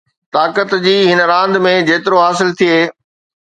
طاقت جي هن راند ۾ جيترو حاصل ٿئي